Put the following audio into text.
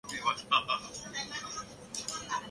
此后升任南京兵科给事中。